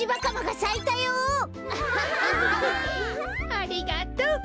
ありがとう。